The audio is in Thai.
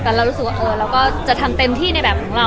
แต่เรารู้สึกว่าเราก็จะทำเต็มที่ในแบบของเรา